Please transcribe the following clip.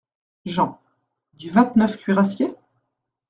Jean. — Du vingt-neufe Cuirassiers ?